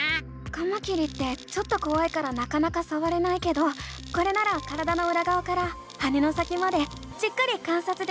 カマキリってちょっとこわいからなかなかさわれないけどこれなら体のうらがわから羽の先までじっくり観察できるね！